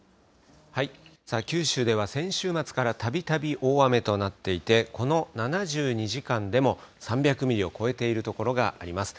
九州では先週末からたびたび大雨となっていて、この７２時間でも３００ミリを超えている所があります。